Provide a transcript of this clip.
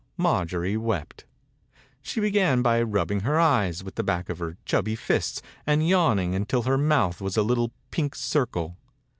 Marjorie wept. She began by rubbing her eyes with the back of her chubby fists and yawning until her mouth was a little pink circle.